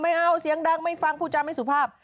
ไม่เอาเสียงดังไม่ฟังผู้จำไม่สุภาพ